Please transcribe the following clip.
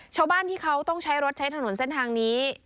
ชาวบ้านที่เขาต้องใช้รถใช้ถนนเส้นทางนี้